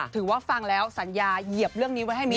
ฟังแล้วสัญญาเหยียบเรื่องนี้ไว้ให้มิ